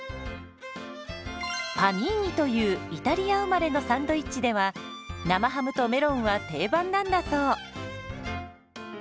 「パニーニ」というイタリア生まれのサンドイッチでは生ハムとメロンは定番なんだそう。